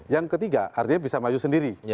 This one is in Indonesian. yang ketiga artinya bisa maju sendiri